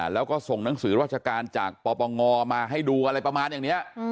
แล้วก็ส่งหนังสือราชการจากปปงมาให้ดูอะไรประมาณอย่างนี้